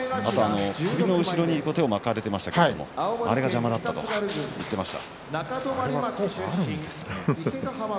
首の後ろに手を巻かれていてあれが邪魔だったと言っていました。